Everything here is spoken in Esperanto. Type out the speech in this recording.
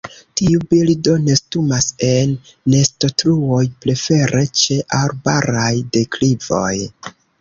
Tiu birdo nestumas en nestotruoj, prefere ĉe arbaraj deklivoj.